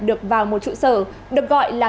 được vào một trụ sở được gọi là